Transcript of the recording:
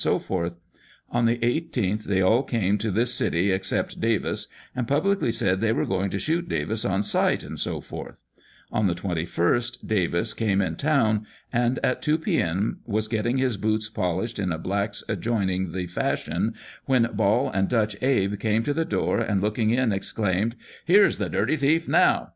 On the 18th they all came to this city except Davis, and publicly said they were going to shoot Davis on sight, &c. On the 21st Davis came in town, and at two P.M. was getting his boots polished in a black's, adjoining the Fashion, when Ball and Dutch Abe came to the door, and looking in, exclaimed, ' Here's the dirty thief now